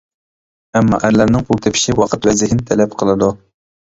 ئەمما، ئەرلەرنىڭ پۇل تېپىشى ۋاقىت ۋە زېھىن تەلەپ قىلىدۇ.